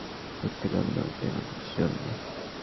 দুঃখিত, আমি তোমার প্রেমে পড়েছি জন্য।